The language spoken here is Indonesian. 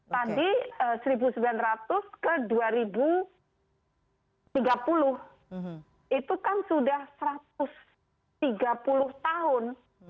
tadi seribu sembilan ratus ke dua ribu tiga puluh itu kan sudah satu ratus tiga puluh tahun